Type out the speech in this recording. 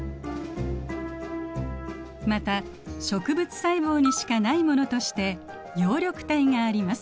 また植物細胞にしかないものとして葉緑体があります。